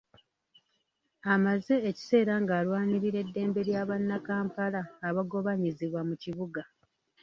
Amaze ekiseera ng’alwanirira eddembe lya bannakampala abagobaganyizibwa mu kibuga.